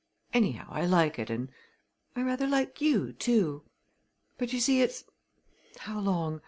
Anyhow, I like it and I rather like you, too. But, you see, it's how long?